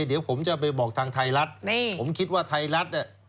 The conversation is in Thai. เดี๋ยวผมจะไปบอกทางไทยรัฐนี่ผมคิดว่าไทยรัฐเนี่ย